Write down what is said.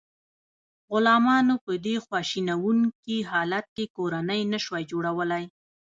غلامانو په دې خواشینونکي حالت کې کورنۍ نشوای جوړولی.